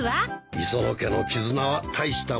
磯野家の絆は大したものですなあ。